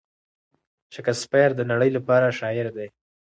شکسپیر د نړۍ لپاره شاعر دی.